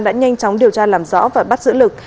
đã nhanh chóng điều tra làm rõ và bắt giữ lực